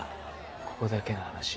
ここだけの話